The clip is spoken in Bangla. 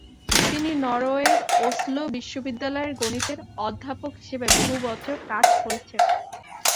তিনি নরওয়ের ওসলো বিশ্ববিদ্যালয়ে গণিতের অধ্যাপক হিসাবে বহু বছর কাজ করেছেন।